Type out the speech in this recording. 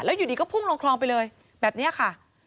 อยู่ดีก็พุ่งลงคลองไปเลยแบบนี้ค่ะ